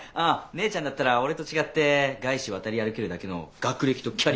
姉ちゃんだったら俺と違って外資渡り歩けるだけの学歴とキャリアもあるし。